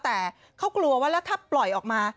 แต่เขากลัวว่าแล้วถ้าปล่อยออกมา